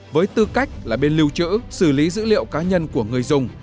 với tư cách là bên lưu trữ xử lý dữ liệu cá nhân của người dùng